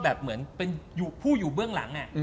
เหมือนเป็นผู้อยู่เบื้องหลัง